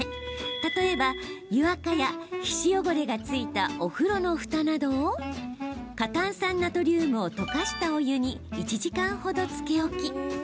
例えば湯あかや皮脂汚れがついたお風呂のふたなどを過炭酸ナトリウムを溶かしたお湯に１時間ほど、つけ置き。